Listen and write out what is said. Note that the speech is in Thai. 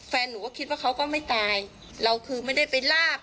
แฟนหนูก็คิดว่าเขาก็ไม่ตายเราคือไม่ได้ไปลาก